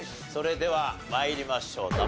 それでは参りましょう。